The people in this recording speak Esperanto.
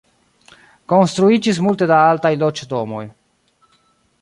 Konstruiĝis multe da altaj loĝdomoj.